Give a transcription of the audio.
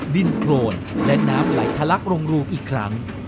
ดินโครนและน้ำไหลทะลักลงรูอีกครั้ง